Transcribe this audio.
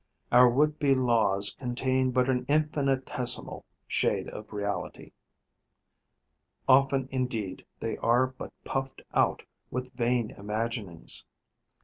Our would be laws contain but an infinitesimal shade of reality; often indeed they are but puffed out with vain imaginings.